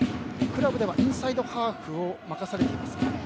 クラブではインサイドハーフを任されています。